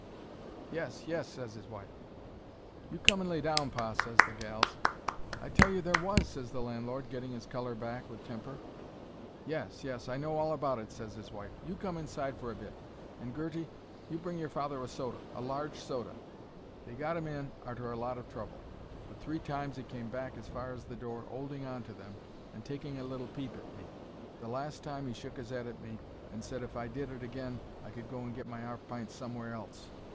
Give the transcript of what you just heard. "Yes, yes," ses 'is wife. "You come and lay down, pa," ses the gals. "I tell you there was," ses the landlord, getting 'is colour back, with temper. "Yes, yes; I know all about it," ses 'is wife. "You come inside for a bit; and, Gertie, you bring your father in a soda—a large soda." They got 'im in arter a lot o' trouble; but three times 'e came back as far as the door, 'olding on to them, and taking a little peep at me. The last time he shook his 'ead at me, and said if I did it agin I could go and get my 'arf pints somewhere else.